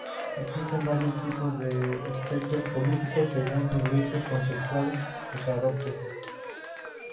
Existen varios tipos de espectros políticos, según el eje conceptual que se adopte.